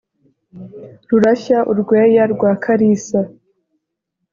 Rurashya u Rweya rwa Kalisa